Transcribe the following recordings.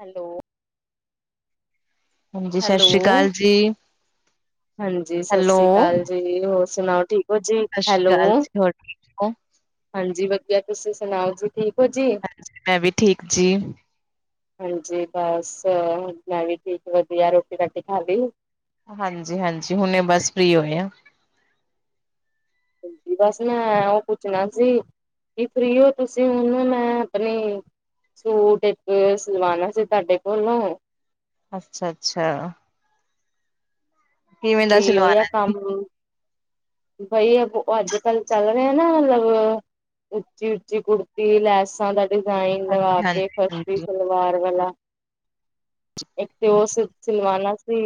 Hello. ਹਾਂਜੀ, ਸਤਿ hello, ਸ੍ਰੀ ਅਕਾਲ ਜੀ। ਹਾਂਜੀ ਹੈਲੋ, ਸਸ਼੍ਰੀ ਕਾਲ ਸਤਿ ਜੀ, ਹੋਰ ਸੁਣਾਓ? ਠੀਕ। ਜੀ, ਸ੍ਰੀ ਹੈਲੋ। ਅਕਾਲ ਜੀ। ਹੋਰ ਠੀਕ ਹੋ? ਹਾਂਜੀ ਵਧੀਆ, ਤੁਸੀਂ ਸੁਣਾਓ ਜੀ? ਠੀਕ ਹੋ ਜੀ। ਮੈਂ ਵੀ ਠੀਕ ਜੀ। ਹਾਂਜੀ ਬਸ, ਮੈਂ ਵੀ ਠੀਕ ਵਧੀਆ ਰੋਟੀ-ਰਾਟੀ ਖਾਲੀ। ਹਾਂਜੀ-ਹਾਂਜੀ ਹੁਣੇ ਬਸ ਫ੍ਰੀ ਹੋਏ ਆ। ਬਸ ਮੈਂ ਉਹ ਪੁੱਛਣਾ ਸੀ। ਕੀ ਫ੍ਰੀ ਤੁਸੀਂ ਹੁਣ ਮੈਂ ਆਪਣੀ ਸੂਟ ਇੱਕ ਸਿਲਵਾਨਣਾ ਸੀ ਤੁਹਾਡੇ ਕੋਲੋਂ। ਅੱਛਾ-ਅੱਛਾ। ਦਾ ਫ੍ਰੀ ਓ ਜਾਂ ਸਿਲਵਾਣਾ ਕੰਮ ਬਈ ਅ ਅੱਜ-ਕੱਲ੍ਹ ਚੱਲ ਰਿਹਾ ਨਾ ਮਤਲਬ ਉੱਚੀ-ਉੱਚੀ ਕੁੜਤੀ ਲੈਸਾਂ ਦਾ ਡਿਜ਼ਾਇਨ ਲਵਾ ਜੀ? ਕੇ ਹਾਂਜੀ, ਫਰਸੀ ਹਾਂਜੀ ਸਲਵਾਰ ਵਾਲਾ। ਇੱਕ ਤੇ ਉਹ ਸ ਸਿਲਵਾਾਨਣਾ ਸੀ,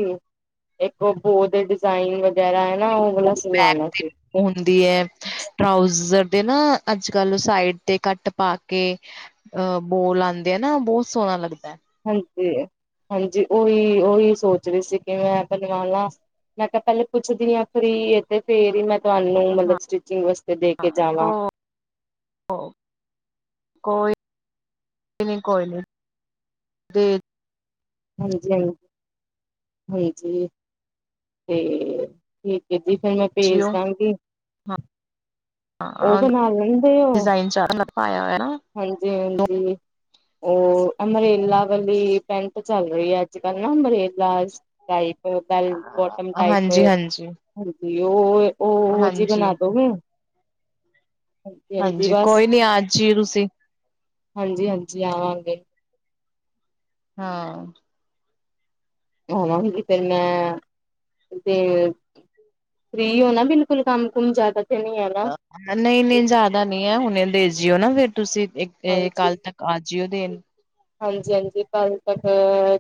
ਇੱਕ ਉਹ ਬੋ ਦੇ ਡਿਜ਼ਾਇਨ ਵਗੈਰਾ ਹੈ ਨਾ। ਬੈਕ ਨਾ-ਨਾ। ਹੁੰਦੀ ਹੈ, ਟਰਾਊਜ਼ਰ ਦੇ ਨਾ ਅੱਜ-ਕੱਲ੍ਹ ਸਾਈਡ ਤੇ ਕੱਟ ਪਾ ਕੇ ਅਹ ਬੋਲ ਆਉਂਦੇ ਆ ਨਾ ਬਹੁਤ ਸੋਹਣਾ ਲੱਗਦਾ। ਹਾਂਜੀ, ਹਾਂਜੀ ਓਹੀ, ਓਹੀ ਸੋਚ ਰਹੀ ਸੀ, ਕਿ ਮੈਂ ਬਣਵਾ ਲਾ। ਮੈਂ ਕਿਹਾ ਪਹਿਲੇ ਪੁੱਛਦੀ ਹਾਂ ਫ੍ਰੀ ਇਹ ਤੇ ਫੇਰ ਹੀ ਮੈਂ ਤੁਹਾਨੂੰ ਹਾਂ, ਮਤਲਬ ਸਟਿਚਿੰਗ ਵਾਸਤੇ ਦੇ ਕੇ ਜਾਵਾਂ। ਹਾਂ। ਕੋਈ ਨਹੀਂ, ਕੋਈ ਨੀ, ਦੇ ਹਾਂਜੀ, ਹਾਂਜੀ। 'ਤੇ, ਠੀਕ ਹੈ ਜੀ, ਫਿਰ ਮੈਂ ਭੇਜ ਜੀਓ। ਦਾਂਗੀ। ਉਹ ਹਾਂ, ਬਣਾ ਡਜ਼ਾਈਨ ਸਾਰਾ ਪਾਇਆ ਹੋਇਆ। ਹਾਂਜੀ-ਹਾਂਜੀ। ਉਹ ਅੰਮਰੇਲਾ ਵਾਲੀ ਪੈਂਟ ਚੱਲ ਰਹੀ ਆ ਅੱਜ ਕੱਲ੍ਹ ਨਾ umbrella type bell bottom type ਹਾਂਜੀ, ਹਾਂਜੀ, ਹਾਂਜੀ ਉਹ, ਉਹ ਜੀ ਹਾਂਜੀ। ਬਣਾ ਦੋਗੇ? ਹਾਂਜੀ ਕੋਈ ਨੀ ਆ ਜੀਓ ਤੁਸੀਂ। ਹਾਂਜੀ- ਹਾਂਜੀ ਆਵਾਂਗੇ। ਹਾਂ। ਆਵਾਂਗੀ ਜੀ ਤੇ ਮੈਂ ਫਰੀ ਹੋ ਨਾ ਬਿਲਕੁਲ ਕੰਮ ਕੁਮ ਜ਼ਿਆਦਾ ਤੇ ਨੀ ਹੈ। ਨਾ ਨਹੀਂ- ਨਹੀਂ ਜ਼ਿਆਦਾ ਨੀ ਹੈ ਹੁਣ ਦੇਜੀਓ ਨਾ ਫੇ਼ਰ ਤੁਸੀਂ ਹਾਂਜੀ ਕੱਲ੍ਹ ਤੱਕ। ਆ ਜੀਓ ਦੇਣ। ਹਾਂਜੀ- ਹਾਂਜੀ ਕੱਲ੍ਹ ਤੱਕ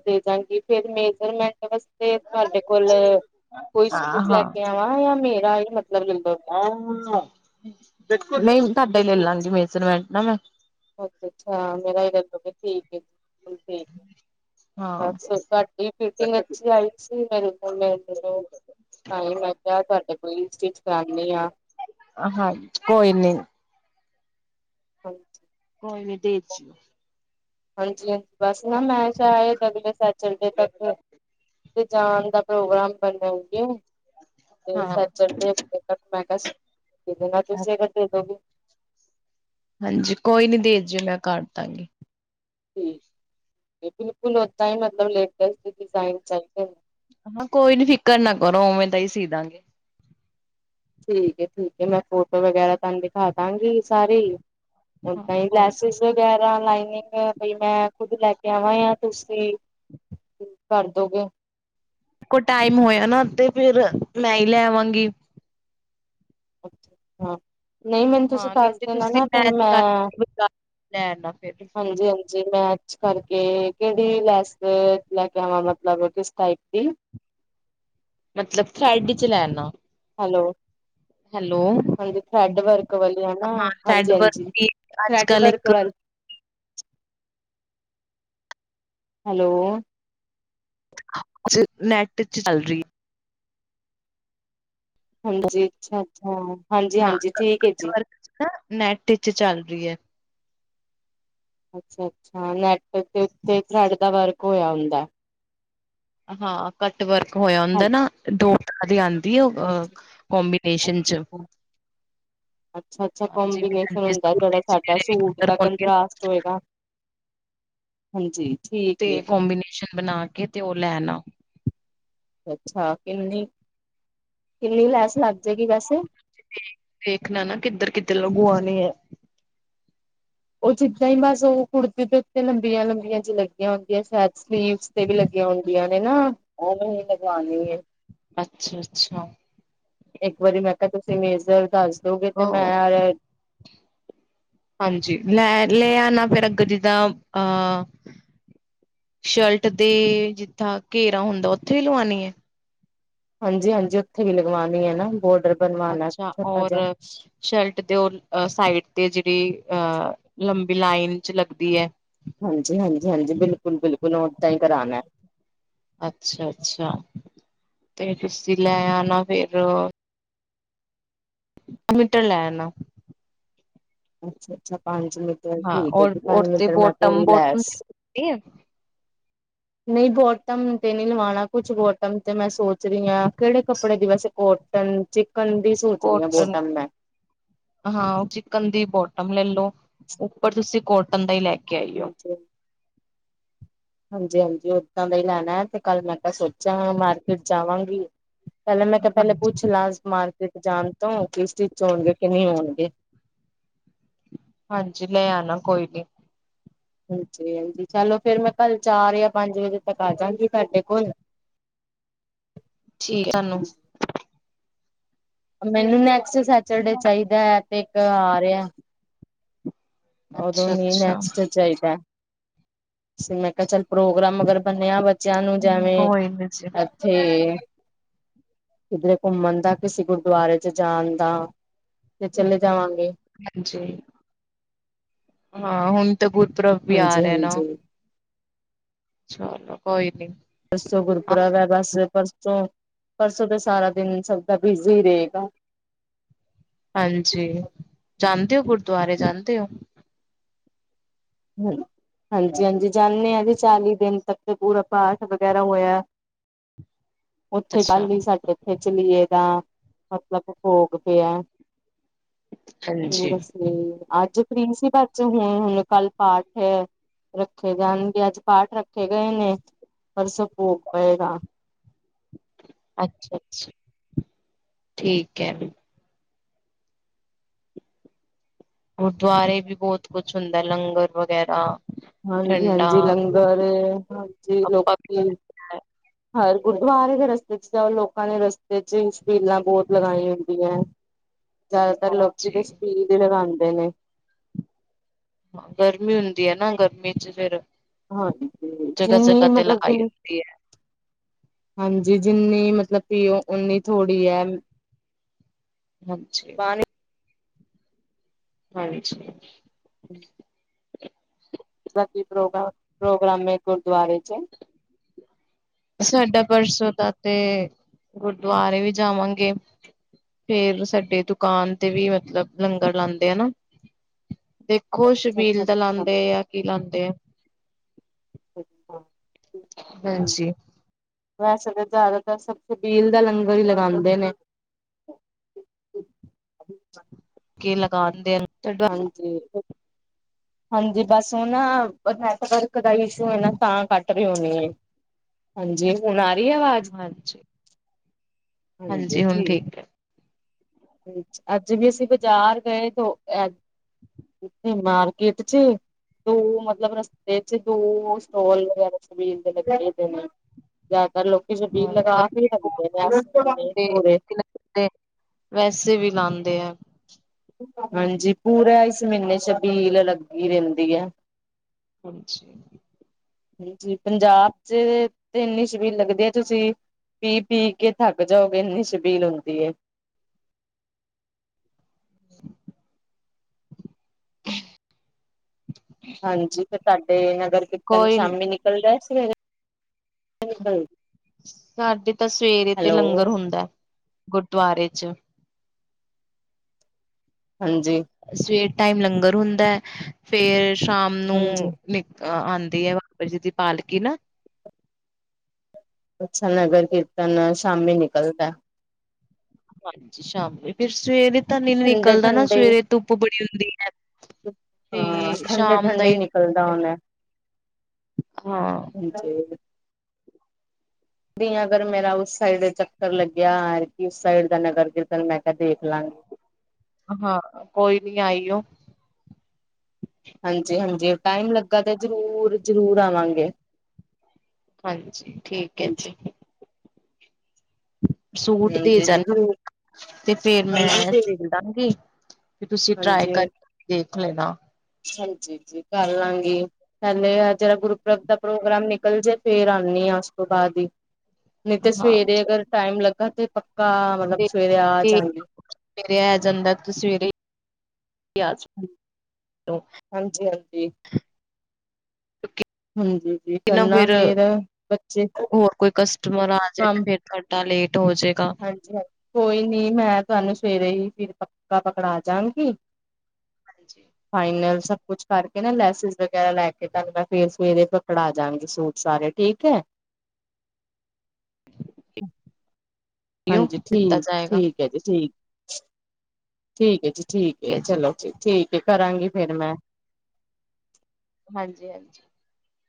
ਦੇਜਾਂਗੀ ਫ਼ਿਰ ਮੇਜਰਮੈਂਟ ਬਸ ਤੇ ਤੁਹਾਡੇ ਕੋਲ ਕੋਈ ਸੂਟ ਹਾਂ ਲੈ ਹਾਂ ਕੇ ਆਵਾਂ ਜਾਂ ਮੇਰਾ ਈ ਮਤਲਬ ਲੈਲੋ ਆਓ ਨਾ ਦੇਖੋਂ, ਨਹੀਂ ਤੁਹਾਡਾ ਹੀ ਲੈ ਲਾਂਗੀ ਮੇਜਰਮੈਂਟ ਨਾ ਮੈਂ। ਅੱਛਾ ਅੱਛਾ ਮੇਰਾ ਇਹ ਠੀਕ ਹੈ ਜੀ। ਬਸ ਫ਼ਰ ਭੈਣਜੀ ਫਿਟਿੰਗ ਅੱਛੀ ਹਾਂ ਆਈ। ਮੇਰੇ ਕੋਲ ਮੈਨ ਟਾਈਮ ਹੈਗਾ ਤੁਹਾਡੇ ਕੋਲ ਈ ਸਟਿਚ ਕਰਨੀ ਆ। ਆ ਹਾਂ ਕੋਈ ਨੀ ਹਜੀ ਕੋਈ ਨ੍ਹੀ ਦੇ ਜੀ ਓ ਹਾਂਜੀ ਹਾਂਜੀ ਬਸ ਮੈਂ ਨਾ ਫ਼ਾਇਦਾ ਆ ਅਗਲੇ ਸੈਂਚਡੇ ਤੱਕ ਤੇ ਜਾਣ ਦਾ ਪ੍ਰੋਗਰਾਮ ਕਰਨਗੇ ਤੇ ਹਾਂ ਸੈਂਚਡੇ ਮੈਂ ਕਿਹਾ ਦੇ ਦੇ ਤੁਸੀਂ [unintelligible] ਹਾਂਜੀ ਕੋਈ ਨੀ ਦੇ ਜੀ ਓ ਮੈਂ ਕਰ ਦਾਂਗੀ। ਠੀਕ ਤੇ ਬਿਲਕੁਲ ਓਦਾ ਹੀ ਮਤਲਬ ਲੇਟੈਸਟ ਡਿਜ਼ਾਈਨ ਚਾਹੀਦੇ ਨੇ। ਹਾਂ ਕੋਈ ਨੀ ਫ਼ਿਕਰ ਨਾ ਕਰੋ ਉਵੇਂ ਤਾਂ ਹੀ ਸੀ ਦਾਂਗੀ। ਠੀਕ ਏ ਠੀਕ ਹੈ ਮੈਂ ਫੋਟੋ ਵਗੈਰਾ ਤੁਹਾਨੂੰ ਦਿਖਾ ਦਾਂਗੀ ਸਾਰੀ ਹਾਂ ਓਦਾਂ ਕੋਈ ਲੈੱਸਜ ਵਗੈਰਾ ਲਾਈਨਿੰਗ ਮੈਂ ਖੁਦ ਲੈ ਕੇ ਆਵਾਂ ਜਾਂ ਤੁਸੀਂ ਕਰ ਦੋਗੇ। ਕੋ ਟਾਈਮ ਹੋਇਆਂ ਨਾ ਤੇ ਫਿਰ ਮੈਂ ਹੀ ਲੈ ਆਵਾਂਗੀ। ਅੱਛਾ ਹਾਂ। ਨਹੀਂ ਮੈਨੂੰ ਤੁਸੀਂ ਹਾਂ ਨਹੀਂ ਦੱਸ ਤੇ ਦੇਣਾ ਤੁਸੀਂ ਨਾ ਫ਼ਿਰ ਮੈਚ ਮੈਂ ਕਰਕੇ ਬਾਜ਼ਾਰ ਲੈ ਆਣਾ ਫਿਰ ਹਾਂਜੀ - ਹਾਂਜੀ ਮੈਚ ਕਰਕੇ ਕਿਹੜੀ ਲੈਸ ਲੈ ਕੇ ਆਵਾਂ ਮਤਲਬ ਕਿਸ ਟਾਈਪ ਦੀ ਮਤਲਬ ਥੇਰਡ ਚ ਲੈਣਾ। ਹੈਲੋ ਹਾਂਜੀ ਥਰੈੱਡ ਵਰਕ ਵਾਲੀ ਹੈ ਨਾ ਹਾਂ ਥਰੈਡ ਹਾਂਜੀ ਹਾਂਜੀ ਥਰੈੱਡ ਵਰਕ ਵਾਲੀ ਹਨਾ, ਹਾਂਜੀ - ਹਾਂਜੀ, ਵੀ ਅੱਜ ਥਰੈੱਡ ਕੱਲ ਵਰਕ ਇੱਕ ਵਾਲੀ ਹੈਲੋ ਨੈੱਟ ਚ ਚੱਲ ਰਹੀ। ਹਾਂਜੀ, ਅੱਛਾ - ਅੱਛਾ ਹਾਂਜੀ - ਹਾਂਜੀ ਠੀਕ ਏ ਜੀ। ਹਾ ਨੈੱਟ ਵਿਚ ਚੱਲ ਰਹੀ ਐ। ਅੱਛਾ - ਅੱਛਾ ਨੈੱਟ ਦੇ ਉੱਤੇ ਥਰੈੱਡ ਦਾ ਵਰਕ ਹੋਇਆਂ ਹੁੰਦਾ। ਹਾਂ ਕੱਟ ਵਰਕ ਹੋਇਆਂ ਹੈਲ ਹੁੰਦਾ ਨਾ ਦੋ ਆਰੀ ਆਂਦੀ ਆ ਅਹ ਅੱਛਾ ਕੋਂਬੀਨੇਸ਼ਨ 'ਚ। ਅੱਛਾ ਅੱਛਾ ਅੱਛਾ ਕੋਂਬੀਨੇਸ਼ਨ ਹੁੰਦਾ ਜਿਹੜਾ ਸਾਡਾ ਸੂਟ ਦਾ ਕੰਟਰਾਸਟ ਹੋਏਗਾ [unintelligible] ਹਾਂਜੀ ਠੀਕ। ਤੇ ਏ ਕੰਬੀਨੇਸ਼ਨ ਬਣਾ ਕੇ ਤੇ ਉਹ ਲੈਣਾ। ਅੱਛਾ - ਅੱਛਾ ਕਿੰਨੀ, ਕਿੰਨੀ ਲੈਸ ਲੱਗ ਜੇ ਗੀ ਵੈਸੇ। ਦੇਖਣਾ ਨਾ ਕਿੱਧਰ ਕਿੱਧਰ ਲਗਵਾਣੀ ਐ। ਉਹ ਜਿੱਦਾਂ ਹੀ ਬਸ ਉਹ ਕੁੜਤੇ ਦੇ ਉੱਤੇ ਲੰਬੀਆਂ - ਲੰਬੀਆਂ ਜਿ ਲੱਗੀਆਂ ਹੁੰਦੀਆਂ ਸ਼ਾਇਦ [unintelligible] ਤੇ ਵੀ ਲੱਗੀਆਂ ਹੁੰਦੀਆਂ ਨੇ ਨਾ ਉਹ ਵਾਲੀ ਲਗਵਾਣੀ ਐ। ਅੱਛਾ-ਅੱਛਾ ਇੱਕ ਵਾਰੀ ਮੈਂ ਕਿਹਾ ਤੁਸੀਂ ਮੇਜਰ ਦੱਸ- ਦੋਗੇ ਤੇ ਦੋ। ਮੈਂ [inaudible] ਹਾਂਜੀ ਲੈ ਲੈ ਆ ਨਾ ਫਿਰ ਅੱਗਰ ਜਿੱਦਾਂ ਅਹ‌ ਸ਼ਰਟ ਦੇ ਜਿੱਥਾਂ ਘੇਰਾ ਹੁੰਦਾ ਉੱਥੇ ਵੀ ਲਵਾਉਣੀ ਐ। ਹਾਂਜੀ-ਹਾਂਜੀ ਉੱਥੇ ਵੀ ਲਗਵਾਉਣੀ ਹੈ ਨਾ ਬੋਰਡਰ ਬਣਵਾਉਣਾ ਅੱਛਾ ਛੋਟਾ ਔਰ ਜਿਹਾ ਸ਼ਰਟ ਤੇ ਉਹ ਸਾਈਡ ਤੇ ਜਿਹੜੀ ਅਹ ਲੰਬੀ ਲਾਈਨ 'ਚ' ਲੱਗਦੀ ਐ। ਹਾਂਜੀ-ਹਾਂਜੀ-ਹਾਂਜੀ ਬਿਲਕੁਲ-ਬਿਲਕੁਲ ਓਦਾਂ ਹੀ ਕਰਾਣਾ। ਅੱਛਾ-ਅੱਛਾ, ਤੇ ਤੁਸੀਂ ਲੈ ਆਣਾ ਫੇਰ। ਇੱਕ ਮੀਟਰ ਲੈ ਆਣਾ। ਅੱਛਾ-ਅੱਛਾ ਪੰਜ ਮੀਟਰ ਹਾਂ ਠੀਕ ਐ ਔਰ ਜੀ ਪੰਜ ਔਰ ਤੇ ਮੀਟਰ ਮੈਂ ਪੂਰੀ ਬੋਟਮ-ਬੋਟਮ ਲੈਸ਼। [inaudible] ਨਹੀਂ ਬੋਟਮ ਤੇ ਨਹੀਂ ਲਵਾਉਣਾ ਕੁਛ ਬੋਟਮ ਤੇ ਮੈਂ ਸੋਚ ਰਹੀ ਹਾਂ ਕਿਹੜੇ ਕੱਪੜੇ ਦੀ ਵੈਸੇ ਕੋਟਨ, ਚਿਕਨ ਦੀ ਸੋਚ ਰਹੀ ਹਾਂ ਕੋਟਨ। ਬੋਟਮ ਮੈਂ ਹਾਂ ਉਹ ਚਿਕਨ ਦੀ ਬੋਟਮ ਲੈ ਲਉ ਉੱਪਰ ਤੁਸੀਂ ਕੋਟਨ ਦਾ ਹੀ ਲੈ ਕੇ ਆਈਓ। ਹਾਂਜੀ। ਹਾਂਜੀ-ਹਾਂਜੀ ਓਦਾਂ ਦਾ ਹੀ ਲੈਣਾਂ ਤੇ ਕੱਲ ਮੈਂ ਕਿ ਸੋਚਿਆ ਮਾਰਕੀਟ ਜਾਵਾਂਗੀ। ਪਹਿਲਾਂ ਮੈਂ ਕਿਹਾ ਪਹਿਲਾਂ ਪੁੱਛ ਲ ਮਾਰਕੀਟ ਜਾਣ ਤੋਂ ਕਿਸ ਚੀਜ਼ 'ਚ' ਹੋਣਗੇ ਕਿ ਨਹੀਂ ਆਉਣਗੇ। ਹਾਂਜੀ ਲੈ ਆਣਾ ਕੋਈ ਨੀ। ਹਾਂਜੀ-ਹਾਂਜੀ ਚਲੋ ਫੇਰ ਮੈਂ ਕੱਲ ਚਾਰ ਜਾਂ ਪੰਜ ਵਜੇ ਤੱਕ ਆਜਾਗੀ ਤੁਹਾਡੇ ਕੋਲ। [inaudible] ਠੀਕ [unintelligible] ਤਾਨੂੰ ਮੈਂਨੂੰ ਨੈਕਸਟ ਸੈਚਡੇ ਤੁਹਾਨੂੰ ਚਾਹੀਦਾ ਐ ਤੇ ਇੱਕ ਆ ਰਿਹਾ। ਉਦੋਂ ਨੀ ਅੱਛਾ-ਅੱਛਾ ਨੈਕਸਟ ਚਾਹੀਦਾ, ਮੈਂ ਕਿਹਾ ਚੱਲ ਪ੍ਰੋਗਰਾਮ ਅਗਰ ਬਣਿਆ ਵਾ ਬੱਚਿਆਂ ਨੂੰ ਜਵੇਂ ਕੋਈ ਨੀ ਜੀ ਇੱਥੇ। ਕਿਧਰੇ ਘੁੰਮਣ ਦਾ ਕਿਸੇ ਗੁਰਦੁਆਰੇ 'ਚ' ਜਾਣ ਦਾ, ਤੇ ਚਲੇ ਜਾਵਾਂਗੇ। ਹਾਂਜੀ, ਹਾਂ ਹੁਣ ਤਾਂ ਗੁਰਪੂਰਬ ਵੀ ਆ ਰਿਹਾ ਨਾ। ਹਾਂਜੀ-ਹਾਂਜੀ। ਚਲੋ ਕੋਈ ਨੀ। ਪਰਸੋਂ ਗੁਰਪੂਰਬ ਐ ਬੱਸ ਪਰਸੋਂ, ਪਰਸੋਂ ਤੇ ਸਾਰਾ ਦਿਨ ਸਭ ਦਾ ਬਿਜ਼ੀ ਰਹੇਗਾ। ਹਾਂਜੀ ਜਾਂਦੇ ਓ ਗੁਰਦੁਆਰੇ ਜਾਂਦੇ ਓ? ਹ ਹਾਂਜੀ-ਹਾਂਜੀ ਜਾਣੇ ਆ ਜੀ ਚਾਲੀ ਦਿਨ ਤੱਕ ਪੂਰਾ ਪਾਠ ਵਗੈਰਾ ਹੋਇਆ। ਉੱਥੇ ਅੱਛਾ ਕੱਲ ਹੀ ਸਾਡੇ ਤੇ ਚਲੀਏ ਦਾ, ਮਤਲਬ ਭੋਗ ਪਿਆ। ਹਾਂਜੀ ਦੱਸ ਅੱਜ ਫ੍ਰੀ ਸੀ [unintelligible] ਹੁਣ-ਹੁਣ ਕੱਲ ਪਾਠ ਰੱਖੇ ਜਾਣਗੇ, ਅੱਜ ਪਾਠ ਰੱਖੇ ਗਏ ਨੇ। ਪਰਸੋ ਭੋਗ ਪਏਗਾ। ਅੱਛਾ-ਅੱਛਾ, ਠੀਕ ਐ। ਗੁਰਦੁਆਰੇ ਵੀ ਬਹੁਤ ਕੁਛ ਹੁੰਦਾ ਲੰਗਰ ਵਗੈਰਾ ਠੰਡਾ ਹਾਂਜੀ-ਹਾਂਜੀ ਲੰਗਰ ਹਾਂਜੀ ਆਪਾਂ ਲੋਕੀ ਹਰ ਗੁਰਦੁਆਰੇ ਦੇ ਰਸਤੇ 'ਚ' ਜਾਉ ਲੋਕਾਂ ਨੇ ਰਸਤੇ 'ਚ' ਸ਼ਬੀਲਾਂ ਬਹੁਤ ਲਗਾਈ ਹੁੰਦੀਆਂ। ਜ਼ਿਆਦਾਤਰ ਲੋਕੀ ਹਾਂਜੀ ਦੇ ਸ਼ਵੀਲ ਦੇ ਲਗਾਉਂਦੇ ਨੇ। ਗਰਮੀ ਹੁੰਦੀ ਐ ਨਾ ਗਰਮੀ 'ਚ ਫ਼ਿਰ ਹਾਂਜੀ, ਜਿੰਨੀ ਮਤਲਬ ਕਿ ਲਗਾਈ ਹੁੰਦੀ ਹੈ ਹਾਂਜੀ ਜਿੰਨੀ ਮਤਲਬ ਪੀਉ ਉਨੀ ਥੋੜ੍ਹੀ ਐ। ਹਾਂਜੀ। ਪਾਣੀ ਹਾਂਜੀ। ਹਮ। [unintelligible] ਪ੍ਰੋਗਰਾਮੇ ਗੁਰੂਦੁਆਰੇ 'ਚ' ਸਾਡਾ ਪਰਸੋਂ ਦਾ ਤੇ, ਗੁਰਦੁਆਰੇ ਵੀ ਜਾਵਾਂਗੇ। ਫੇਰ ਸਾਡੇ ਦੁਕਾਨ ਤੇ ਵੀ ਮਤਲਬ ਲੰਗਰ ਲਾਉਂਦੇ ਆ ਨਾ। ਦੇਖੋ ਅੱਛਾ ਸ਼ਬੀਲ ਦਾ ਅੱਛਾ ਲਾਉਂਦੇ ਜਾਂ ਕੀ ਲਾਉਂਦੇ ਆ। ਅੱਛਾ। ਵੈਨਸੀ। ਵੈਸੇ ਤਾਂ ਜ਼ਿਆਦਾਤਰ ਸਭ ਛਬੀਲ ਦਾ ਲੰਗਰ ਹੀ ਲਗਾਉਂਦੇ ਨੇ। ਕੇ ਲਗਾਉਂਦੇ ਆ। [unintelligible] ਹਾਂਜੀ ਬਸ ਉਹ ਨਾ, ਨੈਟਵਰਕ ਦਾ ਇਸ਼ੂ ਹੈ ਨਾ ਤਾਂ ਕੱਟ ਰਹੇ ਹੋਣੀ। ਹਾਂਜੀ ਹੁਣ ਆ ਰਹੀ ਆਵਾਜ਼, ਹਾਂਜੀ ਹਾਂਜੀ ਠੀਕ। ਅ ਅੱਜ ਵੀ ਅਸੀਂ ਬਾਜ਼ਾਰ ਗਏ ਤੋਂ ਮਾਰਕਿਟ 'ਚ ਦੋ ਮਤਲਬ ਰਸਤੇ 'ਚ ਦੋ ਸਟੋਲ ਵਗੈਰਾ ਸਵੀਲ ਦੇ ਲਗਾਏ ਹੋਏ ਨੇ। ਜ਼ਿਆਦਾਤਰ ਲੋਕੀ ਛਬੀਲ ਹਾਂ। ਲਗਾ ਕੇ ਲੱਗਦੇ ਨੇ, [unintelligible] ਤੇ, ਵੈਸੇ ਵੀ ਲਾਉਂਦੇ ਆ। ਹਾਂਜੀ ਪੂਰਾ ਇਸ ਮਹੀਨੇ ਛਬੀਲ ਲੱਗੀ ਰਹਿੰਦੀ ਹੈ। ਹਾਂਜੀ। ਜੀ ਪੰਜਾਬ ਚ ਤੇ ਇੰਨੀ ਸ਼ਬੀਰ ਲੱਗਦੀ ਹੈ, ਤੁਸੀਂ? ਪੀ-ਪੀ ਕੇ ਥੱਕ ਜਾਓਗੇ ਇੰਨੀ ਸ਼ਬੀਲ ਹੁੰਦੀ ਏ। ਹਾਂਜੀ ਤੇ ਤੁਹਾਡੇ ਨਗਰ ਕੀਰਤਨ ਕੋਈ ਨੀ ਸ਼ਾਮੀ ਨਿਕਲ ਰਿਹਾ ਸੀਗਾ। ਸਾਡੇ ਤਾਂ ਸਵੇਰੇ ਤੇ ਹੈਲੋ ਲੰਗਰ ਹੁੰਦਾ ਗੁਰਦੁਆਰੇ 'ਚ। ਹਾਂਜੀ। ਸਵੇਰ ਟਾਈਮ ਲੰਗਰ ਹੁੰਦਾ, ਫੇਰ ਸ਼ਾਮ ਨੂੰ ਹਾਂਜੀ ਨਿਕ ਆਉਂਦੀ ਹੈ ਬਾਬਾ ਜੀ ਦੀ ਪਾਲਕੀ। ਅੱਛਾ ਨਗਰ ਕੀਰਤਨ ਸ਼ਾਮੇ ਨਿਕਲਦਾ। ਹਾਂਜੀ ਸ਼ਾਮ ਫਿਰ ਸਵੇਰੇ ਤਾਂ ਨੀ ਨਿਕਲਦਾ ਨਾ ਸਵੇਰੇ ਧੁੱਪ ਬੜੀ ਹੁੰਦੀ ਹੈ। ਹਾਂ ਤੇ ਸ਼ਾਮ ਦਾ ਠੰਡੇ-ਠੰਡੇ ਹੀ ਨਿਕਲਦਾ ਹੁੰਦਾ। ਹਾਂ। ਹਠਕ। [unintelligible] ਅਗਰ ਮੇਰਾ ਉਸ ਸਾਈਡ ਚੱਕਰ ਲੱਗਿਆ ਕਿ ਉਸ ਸਾਈਡ ਦਾ ਨਗਰ ਕੀਰਤਨ ਮੈਂ ਕਿਹਾ ਦੇਖ ਲਾਂਗੀ। ਹਾਂ ਕੋਈ ਨੀ ਆਈਓ। ਹਾਂਜੀ-ਹਾਂਜੀ ਟਾਈਮ ਲੱਗਾ ਤਾਂ ਜ਼ਰੂਰ- ਜ਼ਰੂਰ ਆਵਾਂਗੇ। ਹਾਂਜੀ ਠੀਕ ਹੈ ਜੀ। ਸੂਟ ਦੇ ਹਾਂਜੀ ਜੀ ਜਾਣਾ, ਜ਼ਰੂਰ ਤੇ ਫੇਰ ਹਾਂਜੀ ਮੈਂ ਜੀ ਸ ਲਾਘੀ, ਤੇ ਤੁਸੀਂ ਟਰਾਈ ਹਾਂਜੀ ਕਰਕੇ ਦੇਖ ਲੈਣਾ ਹਾਂਜੀ ਜੀ ਕਰ ਲਾਂਗੇ। ਪਹਿਲੇ ਜਿਹੜਾ ਗੁਰਪ੍ਰਬ ਦਾ ਪ੍ਰੋਗਰਾਮ ਨਿਕਲ ਜੇ ਫੇਰ ਆਉਂਦੀ ਹਾਂ ਉਸ ਤੋਂ ਬਾਅਦ। ਨਹੀਂ ਤੇ ਹਾਂ ਸਵੇਰੇ ਅਗਰ ਟਾਈਮ ਲੱਗਾ ਤੇ ਪੱਕਾ ਮਤਲਬ ਤੇ ਸਵੇਰੇ ਆ ਜਾਂਗੇ। ਸਵੇਰੇ ਆ ਜਾਂਦਾ ਤੁਸੀ ਸਵੇਰੇ ਹਾਂਜੀ -ਹਾਂਜੀ। ਹਾਂਜੀ ਜੀ ਨਾ ਕਰਨਾ ਫੇਰ ਬੱਚੇ ਹੋਰ ਕੋਈ ਕਸਟਮਰ ਆ ਜੇ ਤੇ ਫਿਰ ਘੰਟਾ ਲੇਟ ਹੋ ਜਏਗਾ। ਹਾਂਜੀ ਹਾਂ ਕੋਈ ਨੀ ਮੈਂ ਤੁਹਾਨੂੰ ਸਵੇਰੇ ਹੀ ਫਿਰ ਪੱਕਾ ਪਕੜਾ ਜਾਗੀ। ਹਾਂਜੀ। ਫਾਈਨਲ ਸਭ ਕੁਛ ਕਰਕੇ ਨਾ ਲੈਸਿਸ ਵਗੈਰਾ ਲੈ ਕੇ ਤ ਮੈਂ ਫੇਰ ਸਵੇਰੇ ਪਕੜਾ ਜਾਗੀ ਸੂਟ ਸਾਰੇ। ਠੀਕ ਐ ਹਾਂਜੀ, ਦਿੱਤਾ ਜਾਏਗਾ ਠੀਕ-ਠੀਕ ਐ ਜੀ ਠੀਕ ਠੀਕ ਐ ਜੀ, ਠੀਕ ਚਲੋ ਜੀ, ਠੀਕ ਕਰਾਂਗੇ ਫਿਰ ਮੈਂ ਹਾਂਜੀ-ਹਾਂਜੀ।